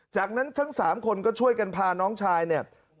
จากนั้นทั้ง๓คนก็ช่วยกันพาน้องชายเนี่ย